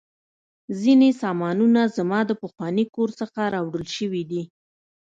ځینې سامانونه زما د پخواني کور څخه راوړل شوي دي